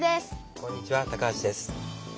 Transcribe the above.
こんにちは橋です。